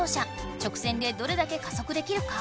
直線でどれだけ加速できるか？